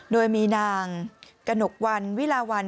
โดยมีนางกระหนกวันวิลาวัน